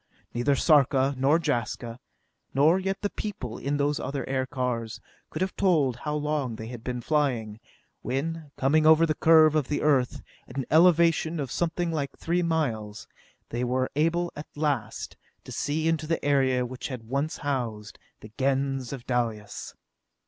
Neither Sarka nor Jaska, nor yet the people in those other aircars, could have told how long they had been flying, when, coming over the curve of the Earth, at an elevation of something like three miles, they were able at last to see into the area which had once housed the Gens of Dalis.